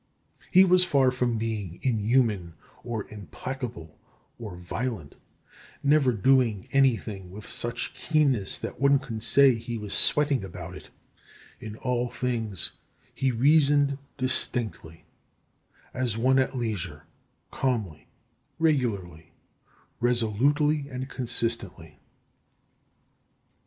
He was far from being inhuman, or implacable, or violent; never doing anything with such keenness that one could say he was sweating about it, in all things he reasoned distinctly, as one at leisure, calmly, regularly, resolutely, and consistently.